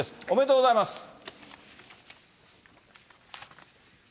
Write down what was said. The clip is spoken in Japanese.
ありがとうございます。